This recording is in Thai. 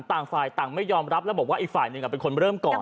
ต่างฝ่ายต่างไม่ยอมรับแล้วบอกว่าอีกฝ่ายหนึ่งเป็นคนเริ่มก่อน